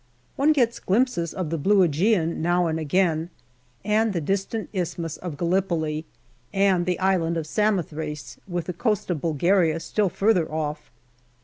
One gets glimpses of the blue ^Egean now and again, and the distant Isthmus of Gallipoli and the Island of Samothrace, with the coast of Bulgaria still further off.